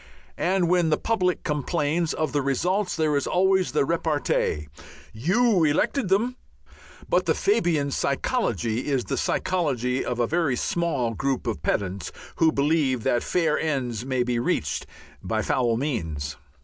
And when the public complains of the results, there is always the repartee, "You elected them." But the Fabian psychology is the psychology of a very small group of pedants who believe that fair ends may be reached by foul means.